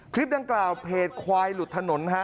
คลิปดังกล่าวเพจควายหลุดถนนฮะ